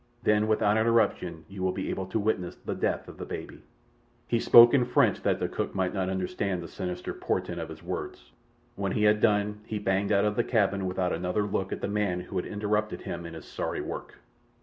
Then without interruption you will be able to witness the death of the baby." He spoke in French that the cook might not understand the sinister portent of his words. When he had done he banged out of the cabin without another look at the man who had interrupted him in his sorry work.